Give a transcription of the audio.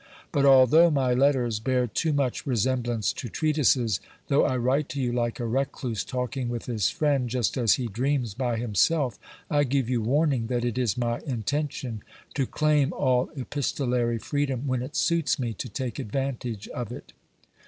But although my letters bear too much resemblance to treatises — though I write to you like a recluse talking with his friend, just as he dreams by himself — I give you warning that it is my intention to claim all epistolary freedom when it suits me to take advantage of it.